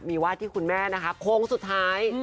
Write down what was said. มีวาดที่คุณแม่นะคะโค้งสุดท้าย